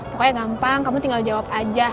pokoknya gampang kamu tinggal jawab aja